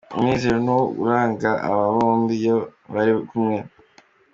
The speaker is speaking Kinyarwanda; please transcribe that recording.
Umunezero ni wo uranga aba bombi iyo bari kumwe .